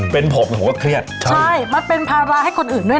เป็นผมผมก็เครียดใช่มันเป็นภาระให้คนอื่นด้วย